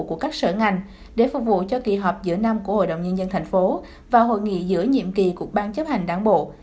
của các sở ngành để phục vụ cho kỳ họp giữa năm của hội đồng nhân dân thành phố và hội nghị giữa nhiệm kỳ của ban chấp hành đảng bộ